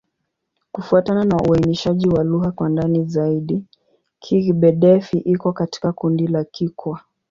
Kufuatana na uainishaji wa lugha kwa ndani zaidi, Kigbe-Defi iko katika kundi la Kikwa.